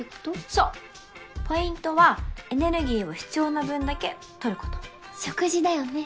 そうポイントはエネルギーを必要な分だけ取ること食事だよね